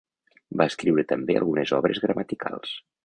Va escriure també algunes obres gramaticals.